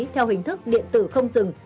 theo hình thức điện tử không dừng